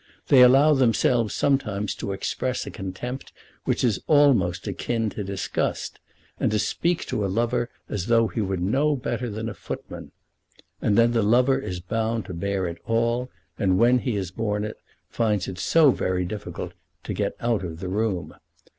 They allow themselves sometimes to express a contempt which is almost akin to disgust, and to speak to a lover as though he were no better than a footman. And then the lover is bound to bear it all, and when he has borne it, finds it so very difficult to get out of the room.